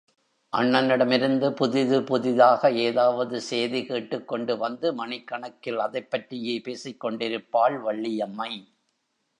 அண்ணனிடமிருந்து புதிது புதிதாக ஏதாவது சேதி கேட்டுக்கொண்டு வந்து மணிக் மணக்கில் அதைப் பற்றியே பேசிக் கொண்டிருப்பாள் வள்ளியம்மை.